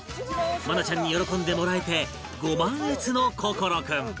愛菜ちゃんに喜んでもらえてご満悦の心君